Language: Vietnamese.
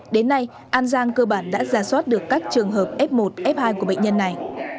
đến nay an giang cơ bản đã ra soát được các trường hợp f một f hai của bệnh nhân này